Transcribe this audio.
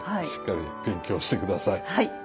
しっかり勉強して下さい。